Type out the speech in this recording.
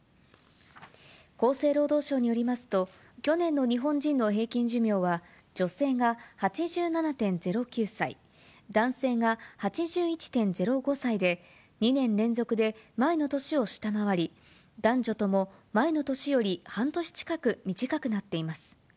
厚生労働省によりますと、去年の日本人の平均寿命は女性が８７．０９歳、男性が８１．０５歳で、２年連続で前の年を下回り、男女とも前の年より半年近く短くなっています。